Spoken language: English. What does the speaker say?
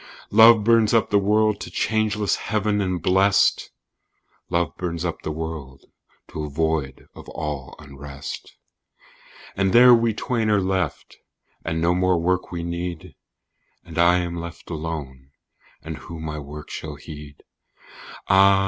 Love burns up the world to changeless heaven and blest, "Love burns up the world to a void of all unrest." And there we twain are left, and no more work we need: "And I am left alone, and who my work shall heed?" Ah!